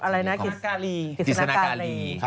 อะไรนะกฤษนาการี